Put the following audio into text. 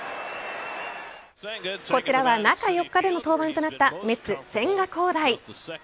こちらは、中４日での登板となったメッツ、千賀滉大。